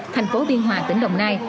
thành phố biên hòa tỉnh đồng nai